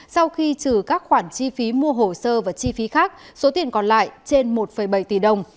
sau khi trừ các khoản chi phí mua hồ sơ và chi phí khác số tiền còn lại trên một bảy tỷ đồng